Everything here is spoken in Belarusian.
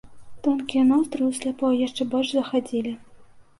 Тонкія ноздры ў сляпой яшчэ больш захадзілі.